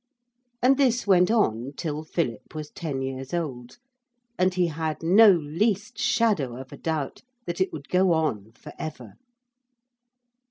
And this went on till Philip was ten years old, and he had no least shadow of a doubt that it would go on for ever.